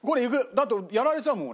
だってやられちゃうもん